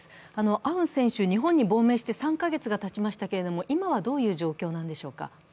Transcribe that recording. アウン選手、日本に亡命して３カ月がたちましたけど、今はどういう状況なんでしょうか。